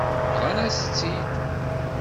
Bḍan-as-tt-id.